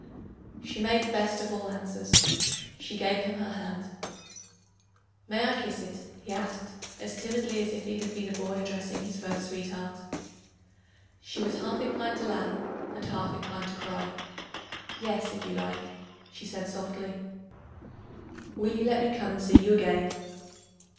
She made the best of all answers she gave him her hand. "May I kiss it?" he asked, as timidly as if he had been a boy addressing his first sweetheart. She was half inclined to laugh, and half inclined to cry. "Yes, if you like," she said softly. "Will you let me come and see you again?"